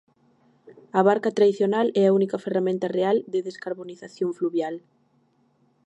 A barca tradicional é a única ferramenta real de descarbonización fluvial.